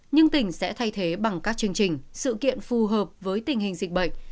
nhưng tỉnh sẽ thay thế bằng các chương trình sự kiện phù hợp với tình hình dịch bệnh